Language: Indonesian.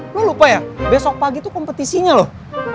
lu lupa ya besok pagi tuh kompetisinya loh